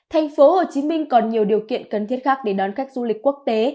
thành phố hồ chí minh còn nhiều điều kiện cần thiết khác để đón khách du lịch quốc tế